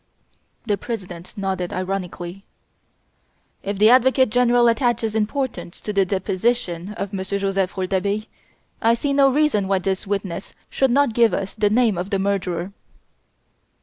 The President nodded ironically: "If the Advocate General attaches importance to the deposition of Monsieur Joseph Rouletabille, I see no reason why this witness should not give us the name of the murderer."